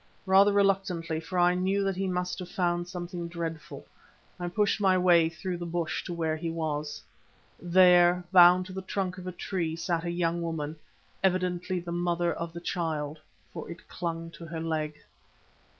Rather reluctantly, for I knew that he must have found something dreadful, I pushed my way through the bush to where he was. There, bound to the trunk of a tree, sat a young woman, evidently the mother of the child, for it clung to her leg.